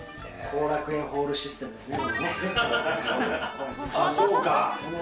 後楽園ホールシステムですね。